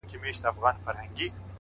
ماته يې په نيمه شپه ژړلي دي،